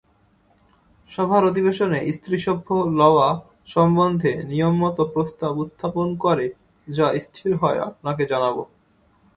সভার অধিবেশনে স্ত্রীসভ্য লওয়া সম্বন্ধে নিয়মমত প্রস্তাব উত্থাপন করে যা স্থির হয় আপনাকে জানাব।